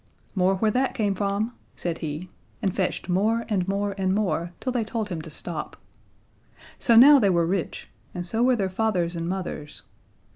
"More where that came from," said he, and fetched more and more and more, till they told him to stop. So now they were rich, and so were their fathers and mothers.